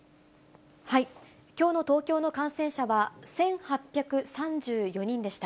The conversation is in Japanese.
きょうの東京の感染者は１８３４人でした。